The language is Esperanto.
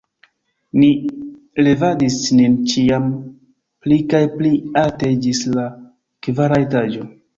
Ni levadis nin ĉiam pli kaj pli alte ĝis la kvara etaĝo.